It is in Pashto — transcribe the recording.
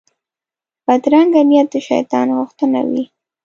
بدرنګه نیت د شیطان غوښتنه وي